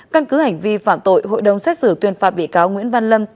căn cứ hành vi phạm tội hội đồng xét xử tuyên phạt bị cáo nguyễn văn lâm